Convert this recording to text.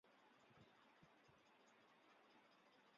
高翥人。